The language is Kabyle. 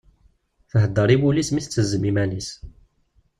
Thedder i wul-is mi tettezzem iman-is.